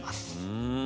うん。